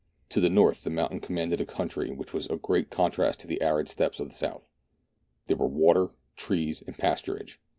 To the north the mountain commanded a country which was a great contrast to the arid steppes of the south. There were water, trees, and pasturage.